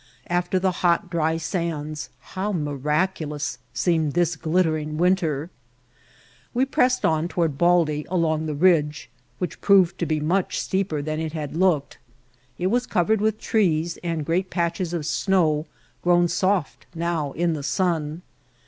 After the hot, dry sands, how miraculous seemed this glittering winter! We pressed on toward Baldy along the ridge, which proved to be much steeper than it had looked. It was covered with trees, and great patches of snow grown soft now in the sun.